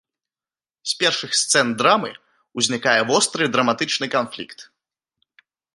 З першых сцэн драмы ўзнікае востры драматычны канфлікт.